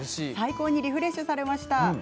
最高にリフレッシュされました。